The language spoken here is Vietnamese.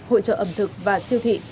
hội trợ ẩm thực và siêu thị